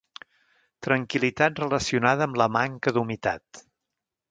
Tranquil·litat relacionada amb la manca d'humitat.